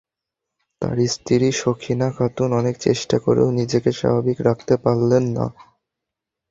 তাঁর স্ত্রী সখিনা খাতুন অনেক চেষ্টা করেও নিজেকে স্বাভাবিক রাখতে পারলেন না।